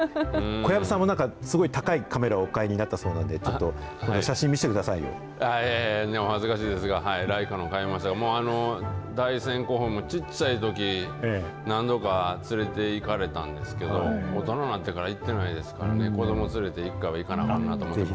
小籔さんもなんか、すごい高いカメラをお買いになったそうなので、いやいやいや、お恥ずかしいですが、ライカの買いましたが、もう大山古墳も、ちっちゃいとき、何度か連れていかれたんですけど、大人になってから行ってないですからね、子ども連れていつか行かんなと思っています。